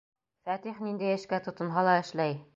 Фәтих ниндәй эшкә тотонһа ла эшләй!